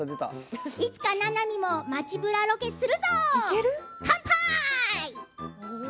いつか、ななみも街ブラロケするぞ。